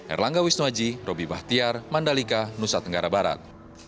erlangga wisnuaji robby bahtiar mandalika nusa tenggara barat